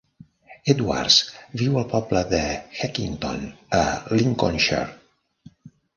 Edwards viu al poble de Heckington, a Lincolnshire.